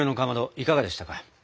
いかがでしたか？